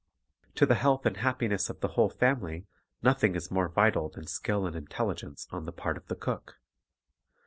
To the health and happiness of the whole family nothing is more vital than skill and intelligence on the part of the cook.